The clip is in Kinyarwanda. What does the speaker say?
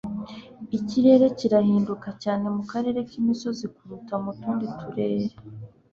Ikirere kirahinduka cyane mukarere kimisozi kuruta mu tundi turere